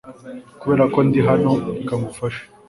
Kubera ko ndi hano, reka ngufashe .